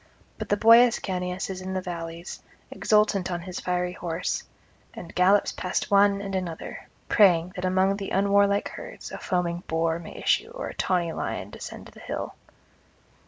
But the boy Ascanius is in the valleys, exultant on his fiery horse, and gallops past one and another, praying that among the unwarlike herds a foaming boar may issue or a tawny lion descend the hill.